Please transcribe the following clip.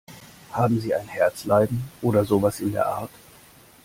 Haben Sie ein Herzleiden oder sowas in der Art?